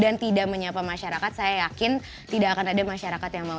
dan tidak menyapa masyarakat saya yakin tidak akan ada masyarakat yang mau